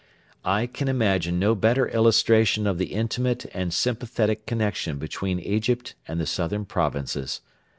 I can imagine no better illustration of the intimate and sympathetic connection between Egypt and the southern provinces.